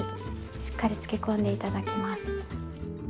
しっかり漬けこんで頂きます。